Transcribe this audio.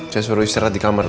saya suruh istirahat di kamar